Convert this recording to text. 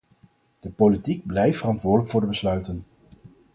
De politiek blijft verantwoordelijk voor de besluiten.